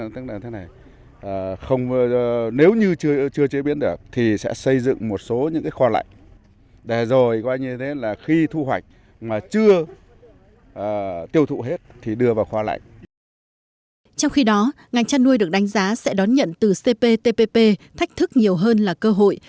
trong khi đó ngành chăn nuôi được đánh giá sẽ đón nhận từ cptpp thách thức nhiều hơn là cơ hội